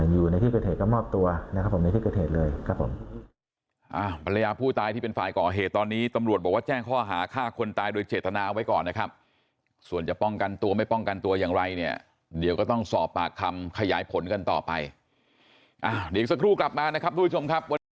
อยู่ในที่ประเทศก็มอบตัวนะครับผมในที่ประเทศเลยครับผม